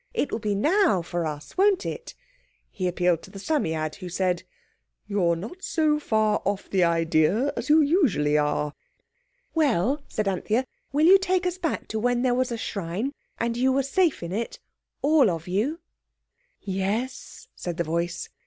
It will be now for us—won't it?" He appealed to the Psammead, who said— "You're not so far off the idea as you usually are!" "Well," said Anthea, "will you take us back to when there was a shrine and you were safe in it—all of you?" "Yes," said the voice.